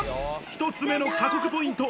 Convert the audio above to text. １つ目の過酷ポイント。